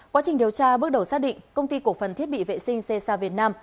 quá trình điều tra bước đầu xác định công ty cổ phần thiết bị vệ sinh csa việt nam